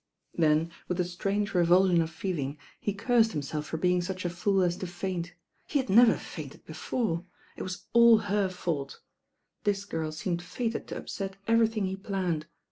Then with a strange revulsion of feelmg he i ! THE MEETING WITH THE RAIN GIRL 168 cursed himself for being such a fool as to faint. He had never fainted before. It was all her fault. This girl seemed fated to upset everything he planned.